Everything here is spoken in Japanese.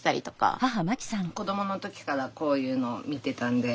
子どもの時からこういうのを見てたんで。